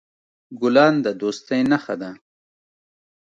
ګلان د دوستی نښه ده.